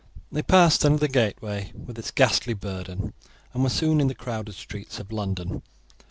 They passed under the gateway, with its ghastly burden, and were soon in the crowded streets of London.